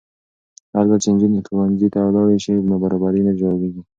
هرځل چې نجونې ښوونځي ته ولاړې شي، نابرابري نه ژورېږي.